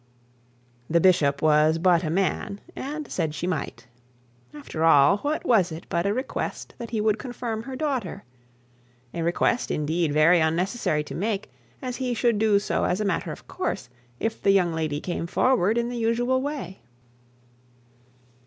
The bishop was but a man, and said she might. After all, what was it but a request that he would confirm her daughter? a request, indeed, very unnecessary to make, as he should do so as a matter of course, if the young lady came forward in the usual way.